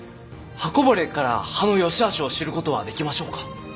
刃こぼれから刀の善しあしを知ることはできましょうか？